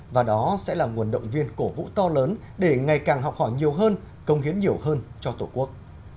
và đó sẽ là nguồn động viên cổ vũ to lớn để ngày càng học hỏi nhiều hơn công hiến nhiều hơn cho tổ quốc